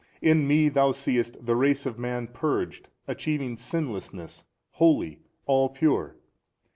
In Me Thou seest the race of man purged, achieving sinlessness, holy, all pure.